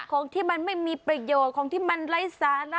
ของที่มันไม่มีประโยชน์ของที่มันไร้สาระ